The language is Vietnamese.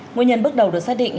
nguyên nhân bước đầu được xác định